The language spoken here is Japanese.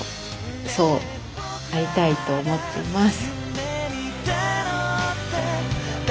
そうありたいと思っています。